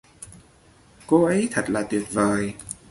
cô ấy thật là tuyệt vời